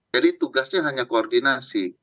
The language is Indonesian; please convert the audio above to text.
jadi tugasnya hanya koordinasi